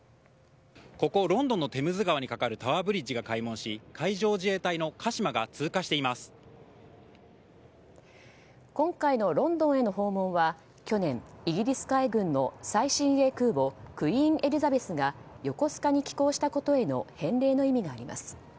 ここロンドンのテムズ川に架かるタワーブリッジが開門し海上自衛隊の「かしま」が今回のロンドンへの訪問は去年、イギリス海軍の最新鋭空母「クイーン・エリザベス」が横須賀に寄港したことへの返礼の意味があります。